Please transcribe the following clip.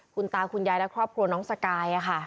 คุณตาคุณยายและครอบครัวน้องสกายค่ะ